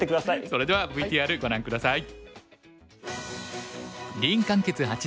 それではＶＴＲご覧下さい。